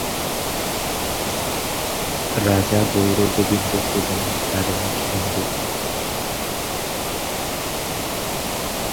রাজা গৌর গোবিন্দ ছিলেন ধার্মিক হিন্দু।